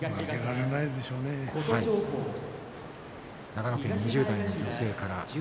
長野県２０代の女性から。